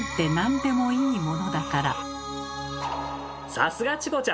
さすがチコちゃん！